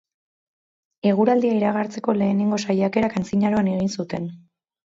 Eguraldia iragartzeko lehenengo saiakerak antzinaroan egin zuten.